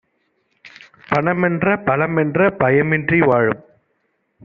பணமென்ற பலமென்ற பயமின்றி வாழும்